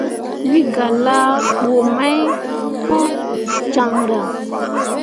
Wǝ gah laaɓu mai pu caŋryaŋ.